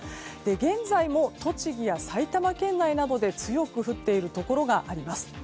現在も栃木や埼玉県内などで強く降っているところがあります。